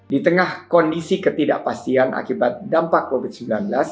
di tengah kondisi ketidakpastian akibat dampak covid sembilan belas